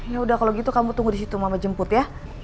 yaudah kalau gitu kamu tunggu disitu mama jemput ya